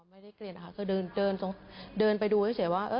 ไม่ได้เกลียดค่ะเดินไปดูให้เห็นว่า